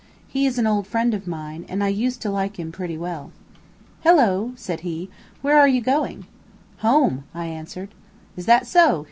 He is an old friend of mine, and I used to like him pretty well. "Hello!" said he, "where are you going?" "Home," I answered. "Is that so?"